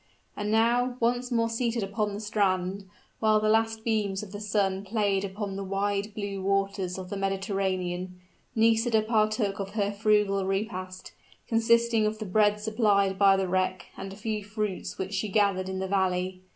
And now, once more seated upon the strand, while the last beams of the sun played upon the wide blue waters of the Mediterranean, Nisida partook of her frugal repast, consisting of the bread supplied by the wreck and a few fruits which she gathered in the valley.